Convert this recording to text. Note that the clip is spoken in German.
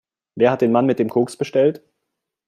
Wer hat den Mann mit dem Koks bestellt?